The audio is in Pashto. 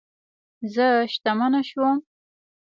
زه شتمنه شوم